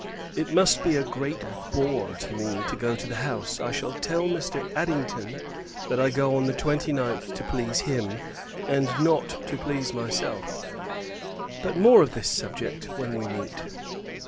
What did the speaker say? It must be a great bore, to me, to go to the House. I shall tell Mr. Addington, that I go on the 29th to please him, and not to please myself; but more of this subject, when we meet.